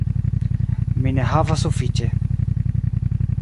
Mi ne havas sufiĉe.